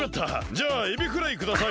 じゃあエビフライください。